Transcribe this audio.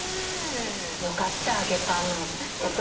よかった揚げパンのこと